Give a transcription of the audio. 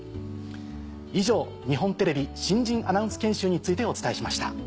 以上日本テレビ新人アナウンス研修についてお伝えしました。